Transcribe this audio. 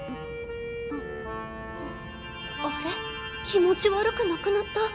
気持ち悪くなくなった。